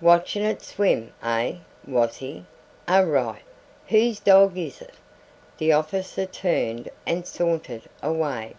"Watchin' it swim, eh, was he? A'right. Whose dog is it?" The officer turned and sauntered away.